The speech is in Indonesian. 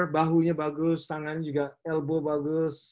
bahu nya bagus tangannya juga elbow bagus